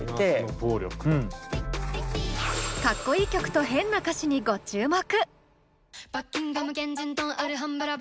かっこいい曲と変な歌詞にご注目。